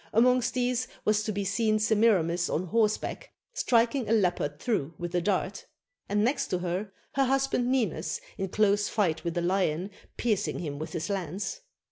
Amongst these was to be seen Semiramis on horseback, striking a leopard through with a dart ; and next to her, her husband Ninus in close fight with a lion, piercing him with his lance.